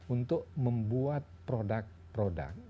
untuk membuat produk produk